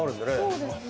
そうですね。